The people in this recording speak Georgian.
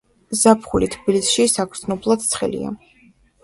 ზაფხული თბილისში საგრძნობლად ცხელია.